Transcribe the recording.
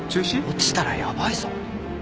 落ちたらヤバいぞ。